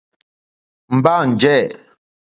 Mbâ njɛ̂.